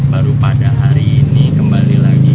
baru pada hari ini kembali lagi